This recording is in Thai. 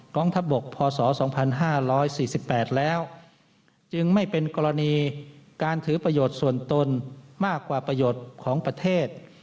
งทัพบกพศ๒๕๔๘แล้วจึงไม่เป็นกรณีการถือประโยชน์ส่วนตนมากกว่าประโยชน์ของประเทศ